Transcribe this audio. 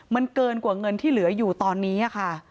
มันเกินกว่าเงินที่เหลืออยู่ตอนนี้ค่ะ